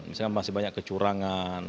misalnya masih banyak kecurangan